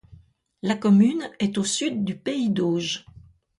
La commune est au sud du pays d'Auge.